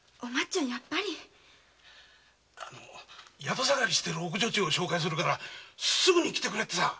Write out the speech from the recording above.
宿さがりしている奥女中を紹介するからすぐ来てくれってさ。